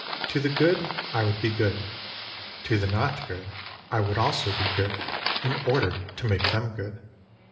To the good I would be good ; to the not good 50 I would also be good, in order to make them good.